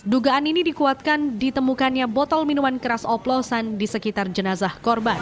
dugaan ini dikuatkan ditemukannya botol minuman keras oplosan di sekitar jenazah korban